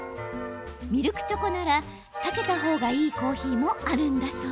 ミルクチョコなら避けた方がいいコーヒーもあるんだそう。